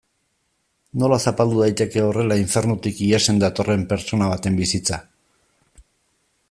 Nola zapaldu daiteke horrela infernutik ihesean datorren pertsona baten bizitza?